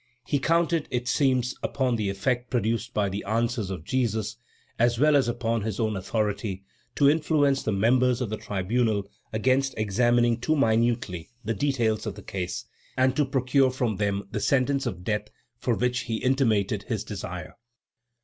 He counted, it seems, upon the effect produced by the answers of Jesus, as well as upon his own authority, to influence the members of the tribunal against examining too minutely the details of the case, and to procure from them the sentence of death for which he intimated his desire.